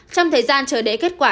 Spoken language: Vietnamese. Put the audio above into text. trong thời gian chờ đế kết quả